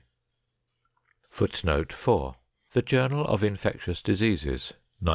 Footnote 4: The Journal of Infectious Diseases. 1909.